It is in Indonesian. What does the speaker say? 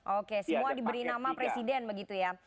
oke semua diberi nama presiden begitu ya